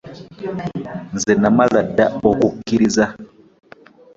Nze namala dda okukkiriza.